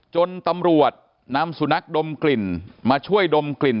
จนตำรวจนำสุนัขดมกลิ่นมาช่วยดมกลิ่น